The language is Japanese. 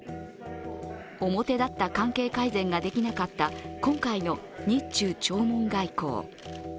表だった関係改善ができなかった今回の日中弔問外交。